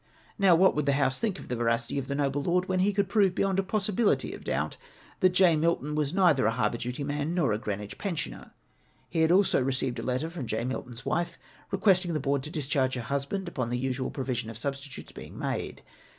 "Now, what would the House think of the veracity of the noble lord when he could prove beyond a possibility of doubt that J. Milton was neither a harbour duty man nor a Green wich pensioner ? .He had also received a letter from J. Milton's wife requesting the Board to discharge her husband upon the usual provision of substitutes being made.